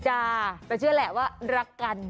จ้าแต่เชื่อแหละว่ารักกัน